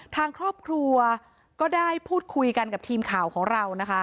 ทางครอบครัวก็ได้พูดคุยกันกับทีมข่าวของเรานะคะ